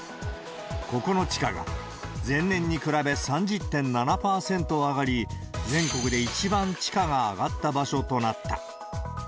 ここの地価が前年に比べ３０．７％上がり、全国で一番地価が上がった場所となった。